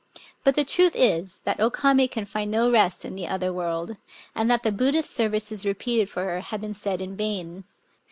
But the truth is that O Kame can find no rest in the other world, ' and that the Buddhist services repeated for her vhave been ssud in vain.